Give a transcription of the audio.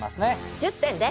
１０点です！